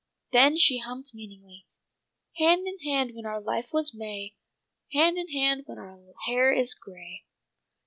Then she hummed meaningly: "'Hand in hand when our life was May, Hand in hand when our hair is gray!'"